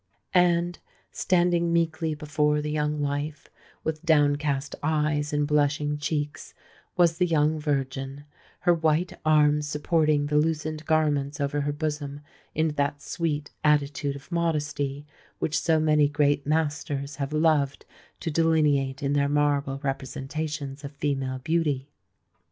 And, standing meekly before the young wife,—with downcast eyes and blushing cheeks,—was the young virgin,—her white arms supporting the loosened garments over her bosom in that sweet attitude of modesty which so many great masters have loved to delineate in their marble representations of female beauty.